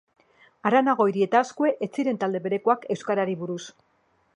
Arana Goiri eta Azkue ez ziren talde berekoak euskarari buruz.